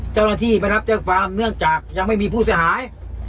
เจ้าหน้าที่ไม่รับแจ้งความเนื่องจากยังไม่มีผู้เสียหาย